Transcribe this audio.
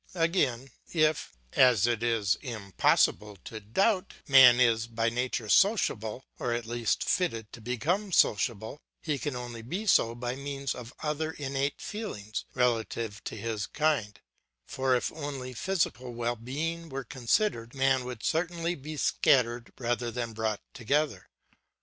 Again, if, as it is impossible to doubt, man is by nature sociable, or at least fitted to become sociable, he can only be so by means of other innate feelings, relative to his kind; for if only physical well being were considered, men would certainly be scattered rather than brought together.